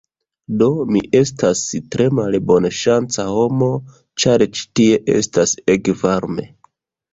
Do mi estas tre malbonŝanca homo, ĉar ĉi tie estas ege varme